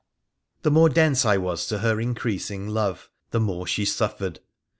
The more dense I was to her increasing love, the more she suffered.